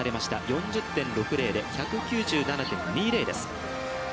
４０．６０で、１７７．２０です。